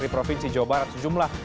di provinsi jawa barat sejumlah